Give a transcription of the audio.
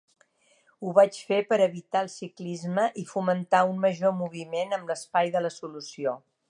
Ho vaig fer per evitar el ciclisme i fomentar un major moviment amb l'espai de la solució.